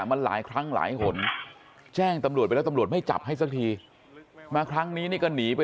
มันหลายครั้งหลายหนแจ้งตำรวจไปแล้วตำรวจไม่จับให้สักทีมาครั้งนี้นี่ก็หนีไป